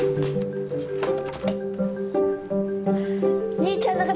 兄ちゃんの敵！